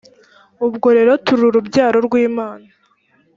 ubwo rero turi urubyaro rw imana .